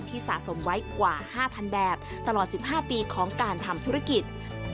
สะสมไว้กว่า๕๐๐๐แบบตลอด๑๕ปีของการทำธุรกิจ